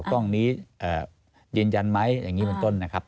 กล้องนี้ยืนยันไหมอย่างนี้เป็นต้นนะครับ